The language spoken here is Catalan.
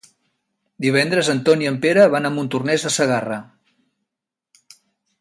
Divendres en Ton i en Pere van a Montornès de Segarra.